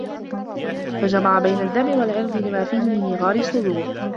فَجَمَعَ بَيْنَ الدَّمِ وَالْعِرْضِ لِمَا فِيهِ مِنْ إيغَارِ الصُّدُورِ